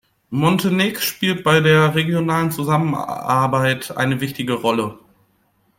Montenegspielt bei der regionalen Zusammenarbeit eine wichtige Rolle.